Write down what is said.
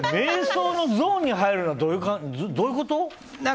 瞑想のゾーンに入るってどういうこと？